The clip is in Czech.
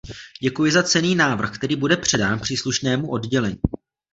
Děkuji za cenný návrh, který bude předán příslušnému oddělení.